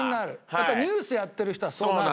やっぱりニュースやってる人はそうなる。